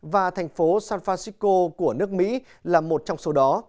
và thành phố san francisco của nước mỹ là một trong số đó